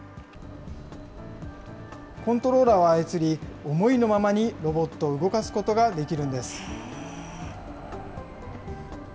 コントローラーを操り、思いのままにロボットを動かすことができるんです。